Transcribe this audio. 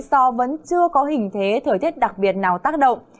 do vẫn chưa có hình thế thời tiết đặc biệt nào tác động